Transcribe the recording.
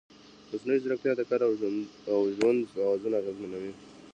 مصنوعي ځیرکتیا د کار او ژوند توازن اغېزمنوي.